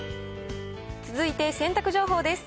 続いて洗濯情報です。